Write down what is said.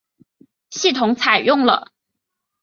系统采用了。